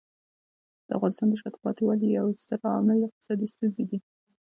د افغانستان د شاته پاتې والي یو ستر عامل اقتصادي ستونزې دي.